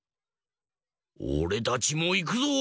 おれたちもいくぞ！